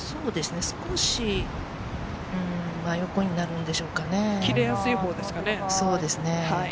少し真横になるんでしょ切れやすいほうですかね。